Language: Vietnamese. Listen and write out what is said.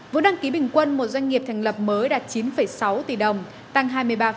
vốn đăng ký bình quân một doanh nghiệp thành lập mới đạt chín sáu tỷ đồng tăng hai mươi ba